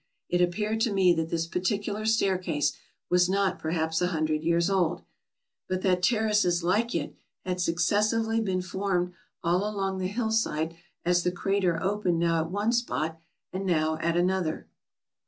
It appeared to me that this particular staircase was not perhaps a hun dred years old, but that terraces like it had successively been formed all along the hillside as the crater opened now at one spot and now at another.